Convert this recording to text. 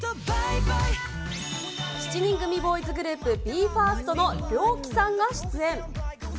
７人組ボーイズグループ、ＢＥ：ＦＩＲＳＴのリョーキさんが出演。